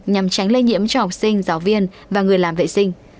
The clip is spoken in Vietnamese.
nhằm tránh lây nhiễm cho học sinh giáo viên và người làm vệ sinh